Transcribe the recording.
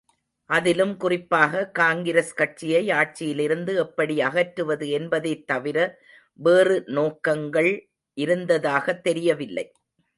அதிலும் குறிப்பாக காங்கிரஸ் கட்சியை ஆட்சியிலிருந்து எப்படி அகற்றுவது என்பதைத் தவிர வேறு நோக்கங்கள் இருந்ததாகத் தெரியவில்லை.